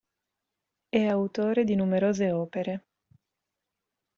È autore di numerose opere.